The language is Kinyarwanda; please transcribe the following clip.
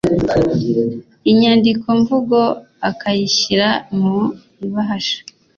inyandikomvugo akayishyira mu ibahasha